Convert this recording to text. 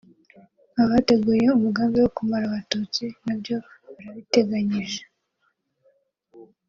abateguye umugambi wo kumara abatutsi nabyo barabiteganyije